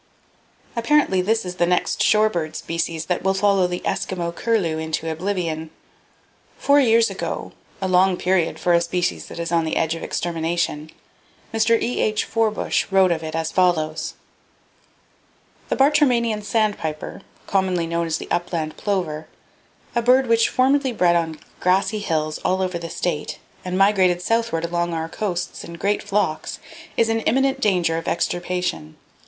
—Apparently this is the next shore bird species that will follow the Eskimo curlew into [Page 21] oblivion. Four years ago,—a long period for a species that is on the edge of extermination,—Mr. E.H. Forbush [B] wrote of it as follows: "The Bartramian Sandpiper, commonly known as the Upland Plover, a bird which formerly bred on grassy hills all over the State and migrated southward along our coasts in great flocks, is in imminent danger of extirpation.